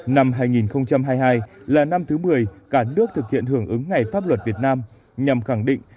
năm hai nghìn hai mươi hai là năm thứ một mươi cả nước thực hiện hưởng ứng ngày pháp luật việt nam nhằm khẳng định